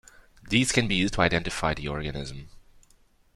These can be used to identify the organism.